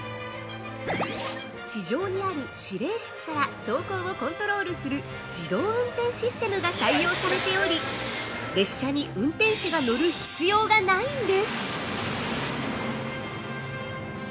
地上にある指令室から走行をコントロールする自動運転システムが採用されており列車に運転士が乗る必要がないんです。